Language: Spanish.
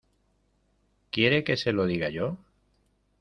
¿ quiere que se lo diga yo?